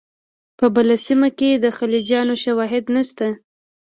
په بله سیمه کې د خلجیانو شواهد نشته.